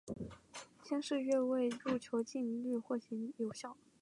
先是越位入球竟屡屡获判有效。